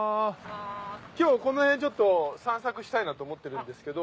今日この辺ちょっと散策したいなと思ってるんですけど。